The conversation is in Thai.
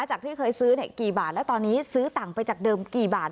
จากที่เคยซื้อกี่บาทแล้วตอนนี้ซื้อต่างไปจากเดิมกี่บาท